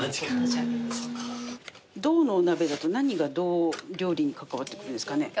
銅のお鍋だと何がどう料理に関わってくるんですかね？